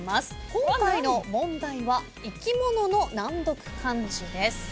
今回の問題は生き物の難読漢字です。